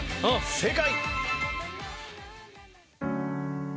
正解。